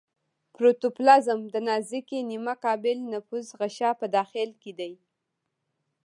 پروتوپلازم د نازکې نیمه قابل نفوذ غشا په داخل کې دی.